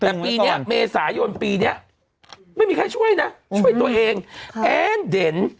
แต่ปีนี้เมษายนปีนี้ไม่มีใครช่วยนะช่วยตัวเองแอ้นเด่น